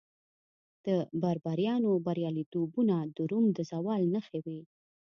د بربریانو بریالیتوبونه د روم د زوال نښې وې